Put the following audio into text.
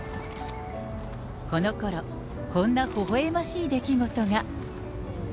このころ、こんなほほえましい出来事が。